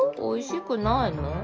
おいしくないの？